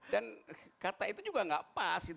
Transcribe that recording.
dan kata itu juga enggak pas